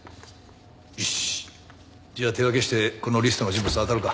よしじゃあ手分けしてこのリストの人物あたるか。